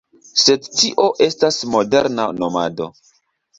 Sed tio estas moderna nomado.